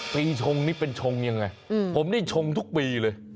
ปีชงนี่เป็นชงยังไงผมนี่ชงทุกปีเลย